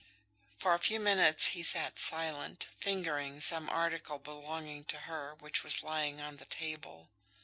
For a few minutes he sat silent, fingering some article belonging to her which was lying on the table.